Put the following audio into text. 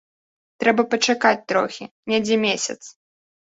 Трэба пачакаць трохі, недзе месяц.